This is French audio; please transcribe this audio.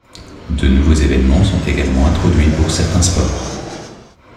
De nouveaux événements sont également introduits pour certains sports.